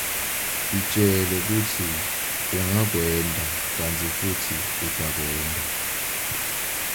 Titjele kutsi ungakwenta kantsi futsi utakwenta.